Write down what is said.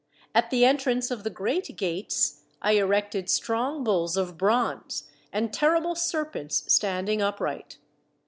At the entrance of the great gates I erected strong bulls of bronze, and terrible serpents standing upright.